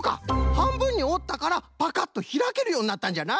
はんぶんにおったからパカッとひらけるようになったんじゃな。